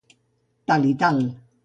Tal i tal.